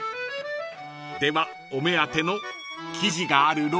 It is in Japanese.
［ではお目当ての生地がある６